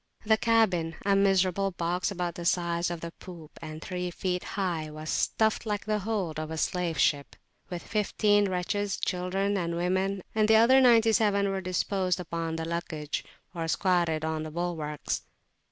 The cabin a miserable box about the size of the poop, and three feet high was stuffed, like the hold of a slave ship, with fifteen wretches, children and women, and the other ninety seven were disposed upon the luggage or squatted on the bulwarks.